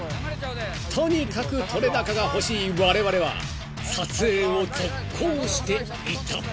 ［とにかく撮れ高が欲しいわれわれは撮影を続行していた］